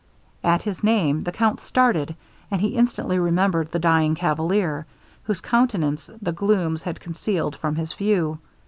At his name the count started, and he instantly remembered the dying cavalier, whose countenance the glooms had concealed from his view.